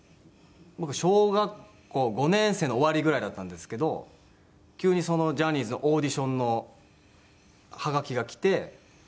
小学校５年生の終わりぐらいだったんですけど急にジャニーズのオーディションのはがきが来て。